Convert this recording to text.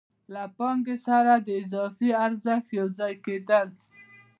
له پانګې سره د اضافي ارزښت یو ځای کېدل